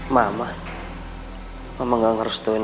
mama cuma pengen